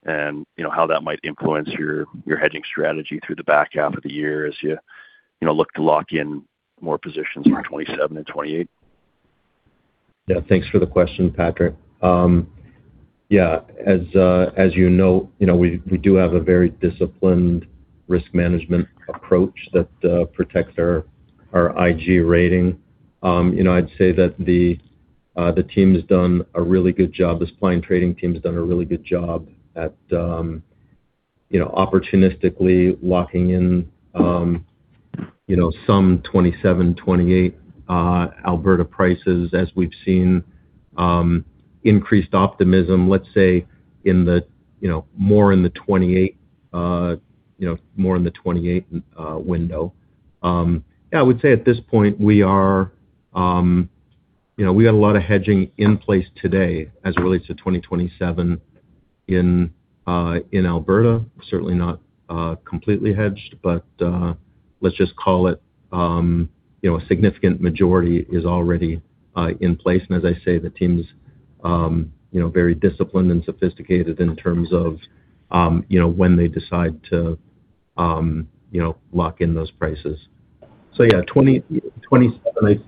and how that might influence your hedging strategy through the back half of the year as you look to lock in more positions for 2027 and 2028. Thanks for the question, Patrick. As you know, we do have a very disciplined risk management approach that protects our IG rating. I'd say that the team has done a really good job, the supply and trading team has done a really good job at opportunistically locking in some 2027, 2028 Alberta prices as we've seen increased optimism, let's say, more in the 2028 window. I would say at this point, we got a lot of hedging in place today as it relates to 2027 in Alberta, certainly not completely hedged, let's just call it a significant majority is already in place. As I say, the team's very disciplined and sophisticated in terms of when they decide to lock in those prices. 2027,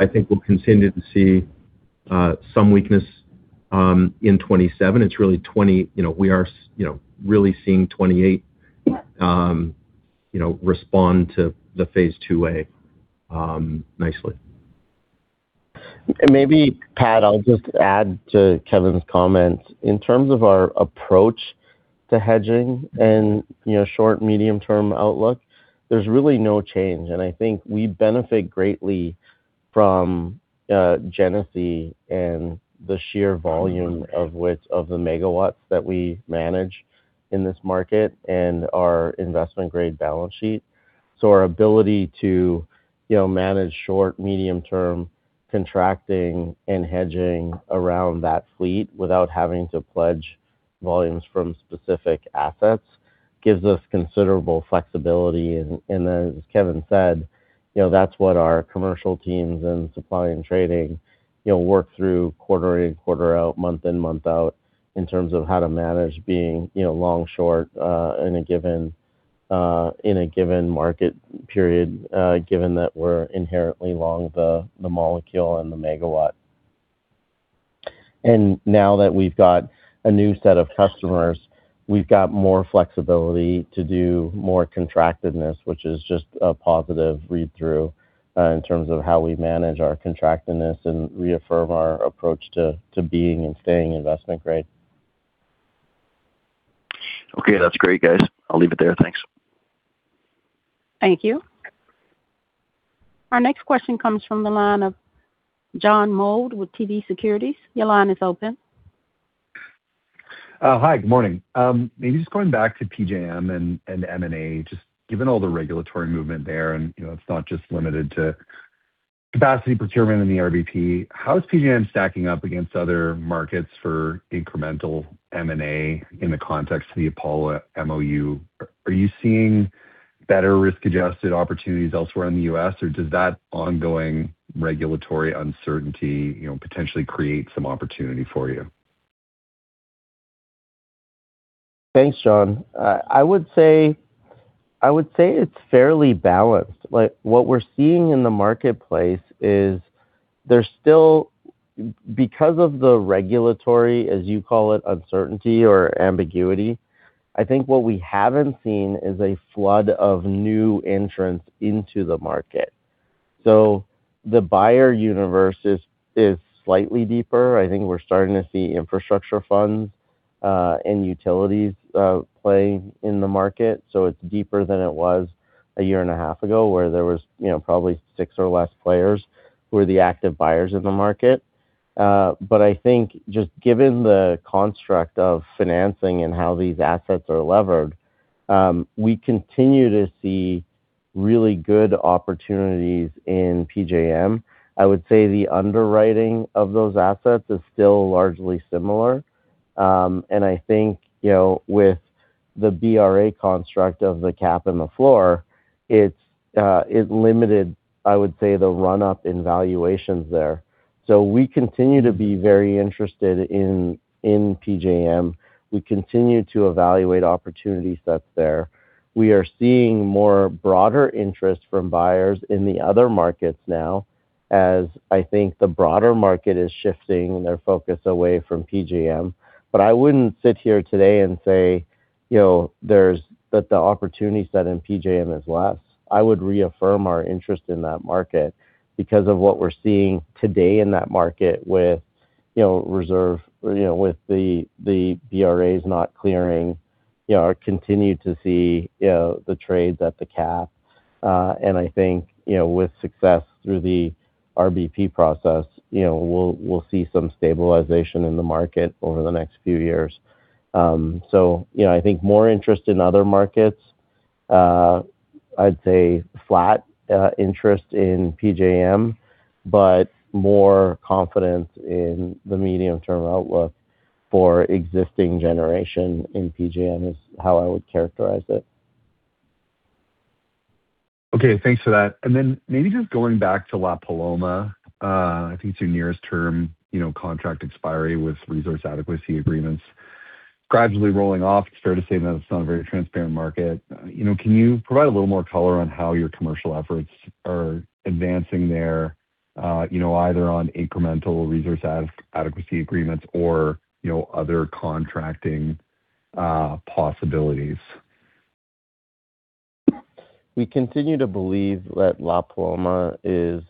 I think we'll continue to see some weakness in 2027. We are really seeing 2028 respond to the phase IIA nicely. Maybe, Pat, I'll just add to Kevin's comments. In terms of our approach to hedging and short, medium term outlook, there's really no change. I think we benefit greatly from Genesee and the sheer volume of the megawatts that we manage in this market and our investment-grade balance sheet. Our ability to manage short, medium term contracting and hedging around that fleet without having to pledge volumes from specific assets gives us considerable flexibility. As Kevin said, that's what our commercial teams and supply and trading work through quarter in, quarter out, month in, month out in terms of how to manage being long, short in a given market period, given that we're inherently long the molecule and the megawatt. Now that we've got a new set of customers, we've got more flexibility to do more contractedness, which is just a positive read-through in terms of how we manage our contractedness and reaffirm our approach to being and staying investment grade. Okay. That's great, guys. I'll leave it there. Thanks. Thank you. Our next question comes from the line of John Mould with TD Cowen. Your line is open. Hi. Good morning. Maybe just going back to PJM and M&A, just given all the regulatory movement there, and it's not just limited to capacity procurement in the RBP, how is PJM stacking up against other markets for incremental M&A in the context of the Apollo MOU? Are you seeing better risk-adjusted opportunities elsewhere in the U.S., or does that ongoing regulatory uncertainty potentially create some opportunity for you? Thanks, John. I would say it's fairly balanced. What we're seeing in the marketplace is there's still, because of the regulatory, as you call it, uncertainty or ambiguity, I think what we haven't seen is a flood of new entrants into the market. The buyer universe is slightly deeper. I think we're starting to see infrastructure funds and utilities play in the market. It's deeper than it was a year and a half ago, where there was probably six or less players who were the active buyers in the market. I think just given the construct of financing and how these assets are levered, we continue to see really good opportunities in PJM. I would say the underwriting of those assets is still largely similar. I think with the BRA construct of the cap and the floor, it limited, I would say, the run-up in valuations there. We continue to be very interested in PJM. We continue to evaluate opportunity sets there. We are seeing more broader interest from buyers in the other markets now, as I think the broader market is shifting their focus away from PJM. I wouldn't sit here today and say that the opportunity set in PJM is less. I would reaffirm our interest in that market because of what we're seeing today in that market with reserve, with the BRAs not clearing. Continue to see the trades at the cap. I think with success through the RBP process, we'll see some stabilization in the market over the next few years. I think more interest in other markets. I'd say flat interest in PJM, but more confidence in the medium-term outlook for existing generation in PJM is how I would characterize it. Okay. Thanks for that. Then maybe just going back to La Paloma, I think it's your nearest term contract expiry with resource adequacy agreements gradually rolling off. It's fair to say that it's not a very transparent market. Can you provide a little more color on how your commercial efforts are advancing there either on incremental resource adequacy agreements or other contracting possibilities? We continue to believe that La Paloma is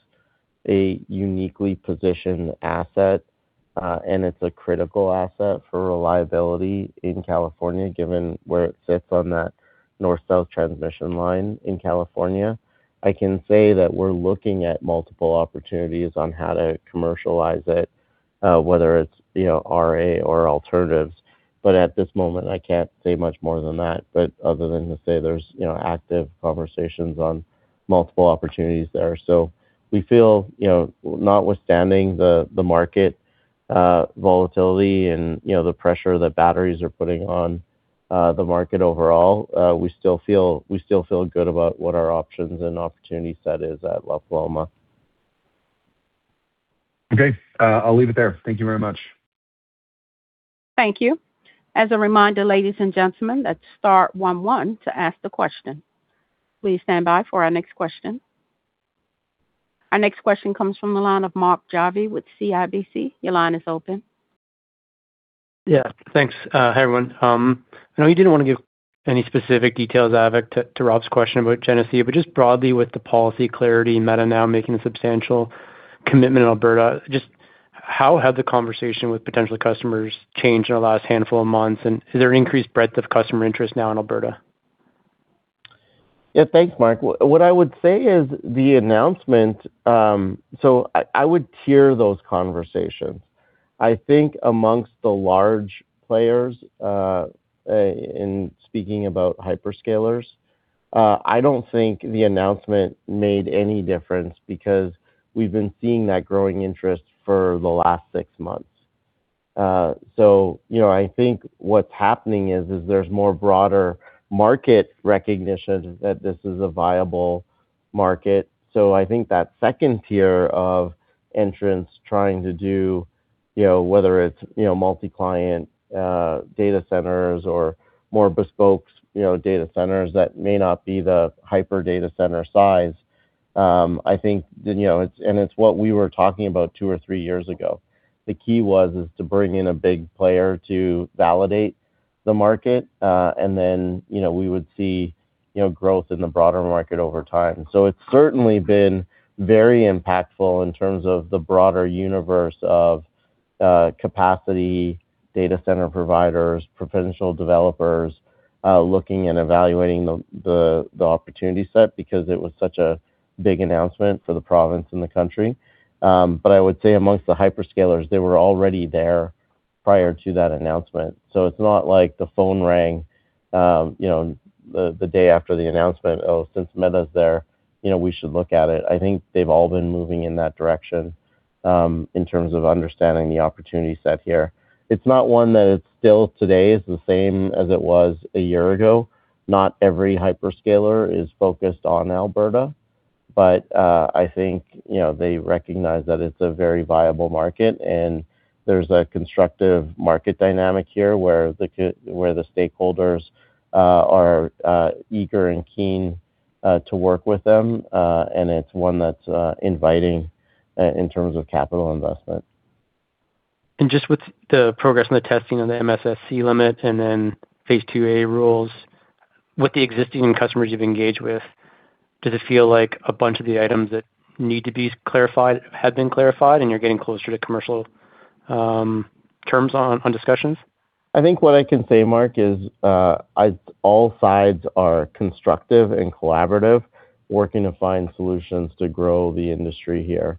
a uniquely positioned asset, and it's a critical asset for reliability in California, given where it sits on that North-South transmission line in California. I can say that we're looking at multiple opportunities on how to commercialize it whether it's RA or alternatives. At this moment, I can't say much more than that. Other than to say there's active conversations on multiple opportunities there. We feel, notwithstanding the market volatility and the pressure that batteries are putting on the market overall, we still feel good about what our options and opportunity set is at La Paloma. Okay. I'll leave it there. Thank you very much. Thank you. As a reminder, ladies and gentlemen, that's star one one to ask the question. Please stand by for our next question. Our next question comes from the line of Mark Jarvi with CIBC. Your line is open. Yeah, thanks. Hi, everyone. I know you didn't want to give any specific details, Avik, to Rob's question about Genesee. Just broadly with the policy clarity, Meta now making a substantial commitment in Alberta, just how have the conversation with potential customers changed in the last handful of months, and is there increased breadth of customer interest now in Alberta? Thanks, Mark. What I would say is I would tier those conversations. I think amongst the large players, in speaking about hyperscalers, I don't think the announcement made any difference because we've been seeing that growing interest for the last six months. I think what's happening is there's more broader market recognition that this is a viable market. I think that second tier of entrants trying to do, whether it's multi-client data centers or more bespoke data centers that may not be the hyper data center size. It's what we were talking about two or three years ago. The key was, is to bring in a big player to validate the market. Then we would see growth in the broader market over time. It's certainly been very impactful in terms of the broader universe of capacity data center providers, potential developers, looking and evaluating the opportunity set because it was such a big announcement for the province and the country. I would say amongst the hyperscalers, they were already there prior to that announcement. It's not like the phone rang the day after the announcement. "Oh, since Meta's there we should look at it." I think they've all been moving in that direction, in terms of understanding the opportunity set here. It's not one that it's still today is the same as it was a year ago. Not every hyperscaler is focused on Alberta. I think they recognize that it's a very viable market, and there's a constructive market dynamic here where the stakeholders are eager and keen to work with them. It's one that's inviting in terms of capital investment. Just with the progress and the testing on the MFSC limit and then phase IIA rules. With the existing customers you've engaged with, does it feel like a bunch of the items that need to be clarified have been clarified and you're getting closer to commercial terms on discussions? I think what I can say, Mark, is all sides are constructive and collaborative, working to find solutions to grow the industry here.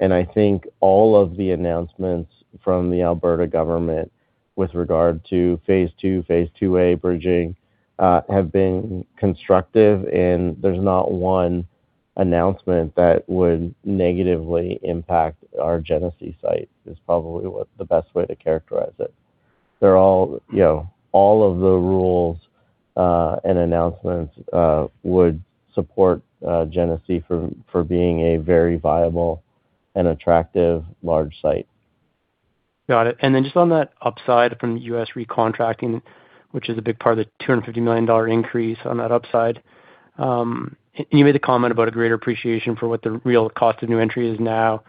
I think all of the announcements from the Alberta government with regard to phase II, phase IIA bridging, have been constructive, and there's not one announcement that would negatively impact our Genesee site, is probably what the best way to characterize it. All of the rules and announcements would support Genesee for being a very viable and attractive large site. Got it. Just on that upside from the U.S. recontracting, which is a big part of the 250 million dollar increase on that upside. You made a comment about a greater appreciation for what the real cost of new entry is now.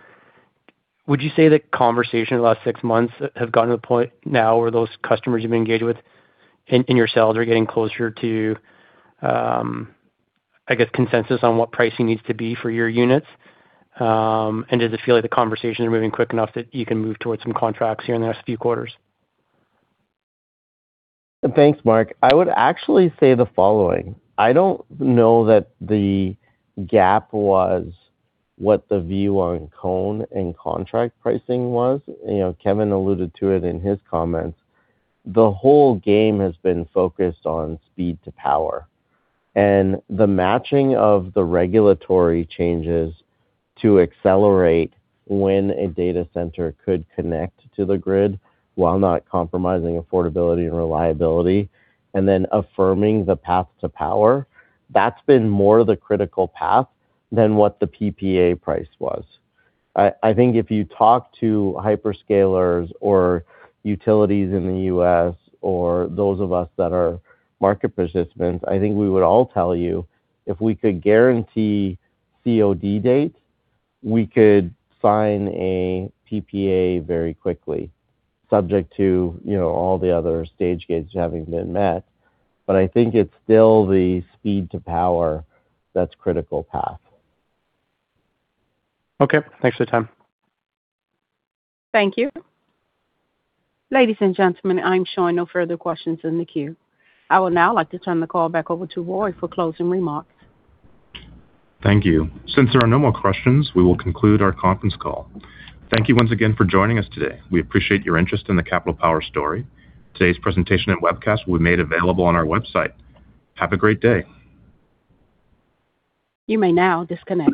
Would you say the conversation in the last six months have gotten to the point now where those customers you've engaged with in your sales are getting closer to, I guess, consensus on what pricing needs to be for your units? Does it feel like the conversations are moving quick enough that you can move towards some contracts here in the next few quarters? Thanks, Mark. I would actually say the following. I don't know that the gap was what the view on CONE and contract pricing was. Kevin alluded to it in his comments. The whole game has been focused on speed to power. The matching of the regulatory changes to accelerate when a data center could connect to the grid while not compromising affordability and reliability, and then affirming the path to power. That's been more the critical path than what the PPA price was. I think if you talk to hyperscalers or utilities in the U.S. or those of us that are market participants, I think we would all tell you, if we could guarantee COD dates, we could sign a PPA very quickly, subject to all the other stage gates having been met. I think it's still the speed to power that's critical path. Okay. Thanks for the time. Thank you. Ladies and gentlemen, I'm showing no further questions in the queue. I would now like to turn the call back over to Roy for closing remarks. Thank you. Since there are no more questions, we will conclude our conference call. Thank you once again for joining us today. We appreciate your interest in the Capital Power story. Today's presentation and webcast will be made available on our website. Have a great day. You may now disconnect.